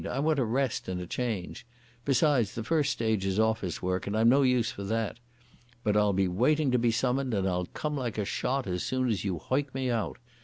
I want a rest and a change. Besides, the first stage is office work, and I'm no use for that. But I'll be waiting to be summoned, and I'll come like a shot as soon as you hoick me out.